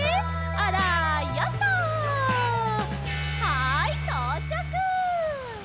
はいとうちゃく！